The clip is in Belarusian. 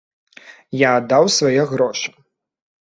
Я аддаў свае грошы.